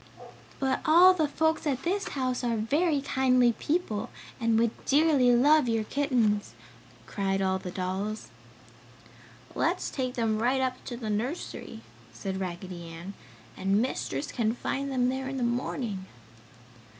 "But all the folks at this house are very kindly people and would dearly love your kittens!" cried all the dolls. "Let's take them right up to the nursery!" said Raggedy Ann, "And Mistress can find them there in the morning!"